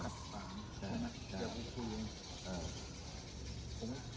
ผมไม่กล้าด้วยผมไม่กล้าด้วยผมไม่กล้าด้วยผมไม่กล้าด้วย